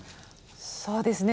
そうですね